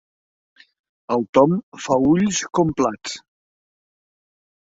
El Tom fa ulls com plats.